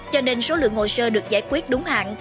cho nên số lượng hồ sơ được giải quyết đúng hạn